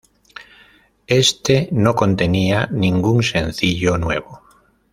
Este no contenía ningún sencillo nuevo.